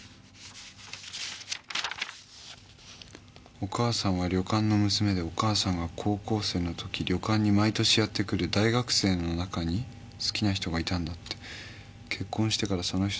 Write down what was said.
「お母さんは旅館の娘でお母さんが高校生の時旅館に毎年やってくる大学生の中に好きな人がいたんだって」